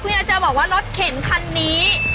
ยายจะบอกว่ารถเข็นคันนี้